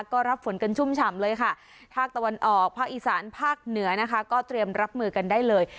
ก็รับฝนกันชุ่มฉ่ำเลยค่ะภาคตะวันออกภาคอีสานภาคเหนือนะคะก็เตรียมรับมือกันได้เลย